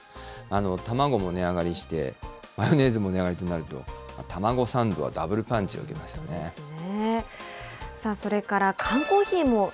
卵も値上がりして、マヨネーズも値上がりとなると、たまごサンドはダブルパンチを受けますよね。